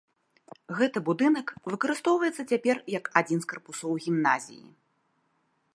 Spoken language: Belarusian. Гэты будынак выкарыстоўваецца цяпер як адзін з карпусоў гімназіі.